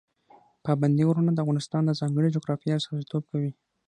پابندي غرونه د افغانستان د ځانګړې جغرافیې استازیتوب کوي.